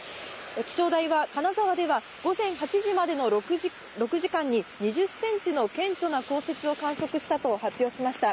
気象台は、金沢では午前８時までの６時間に２０センチの顕著な降雪を観測したと発表しました。